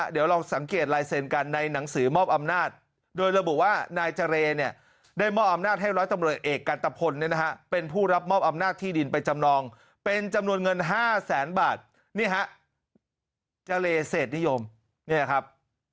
เป็นจำนวนเงิน๕แสนบาทนี่ฮะเจ้าเลเศษนิยมนี่ครับ